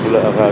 lượng xe rù